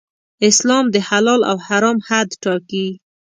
اسلام د حلال او حرام حد ټاکي.